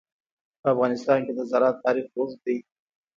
په افغانستان کې د زراعت تاریخ اوږد دی.